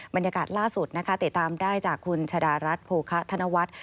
บรรยากาศล่าสุดนะคะติดตามได้จากคุณชะดารัฐโภคะธนวัฒน์